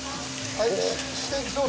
はい。